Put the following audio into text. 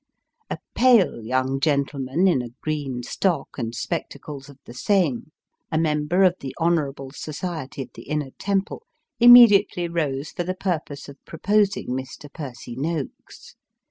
A pale young gentleman, in a green stock and spectacles of the same, a member of the Honourable Society of the Inner Temple, immediately rose for the purpose of proposing Mr. Percy Noakes.